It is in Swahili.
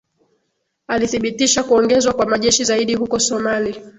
alithibitisha kuongezwa kwa majeshi zaidi huko somali